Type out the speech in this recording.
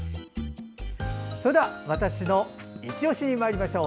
では「＃わたしのいちオシ」にまいりましょう。